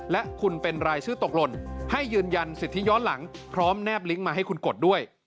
และคุณเป็นรายชื่อตกหล่นให้ยืนยันสิทธิย้อนหลังพร้อมแนบลิงก์มาให้คุณกดด้วย